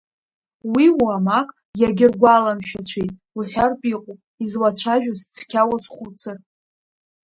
Уи уамак иагьыргәаламшәацәеит уҳәартә иҟоуп, излацәажәоз цқьа уазхәыцыр.